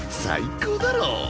最高だろ！